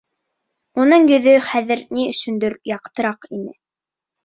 Уның йөҙө хәҙер ни өсөндөр яҡтыраҡ ине.